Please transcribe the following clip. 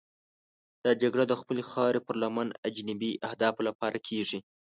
دا جګړه د خپلې خاورې پر لمن د اجنبي اهدافو لپاره کېږي.